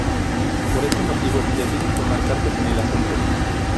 Por este motivo, deciden tomar cartas en el asunto.